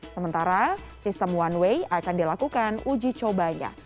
sementara sistem one way akan dilakukan uji cobanya